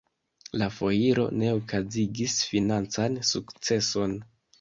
La foiro ne okazigis financan sukceson.